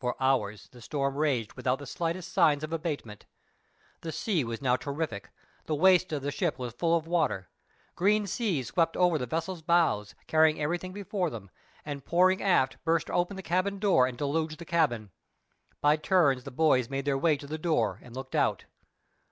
For hours the storm raged without the slightest signs of abatement. The sea was now terrific; the waist of the ship was full of water. Green seas swept over the vessel's bows, carrying everything before them; and pouring aft burst open the cabin door and deluged the cabin. By turns the boys made their way to the door and looked out.